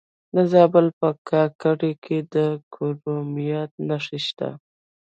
د زابل په کاکړ کې د کرومایټ نښې شته.